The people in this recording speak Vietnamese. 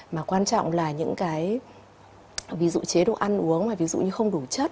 mà quan trọng là những cái ví dụ chế độ ăn uống mà ví dụ như không đủ chất